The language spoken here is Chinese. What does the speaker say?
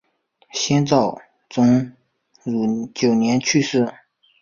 先赵宗儒九年去世。